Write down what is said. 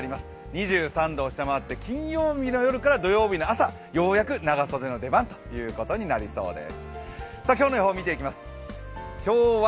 ２３度を下回って金曜日の夜から土曜日の朝、ようやく長袖の出番ということになりそうです。